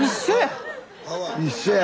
一緒や。